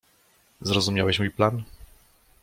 "Zrozumiałeś mój plan?"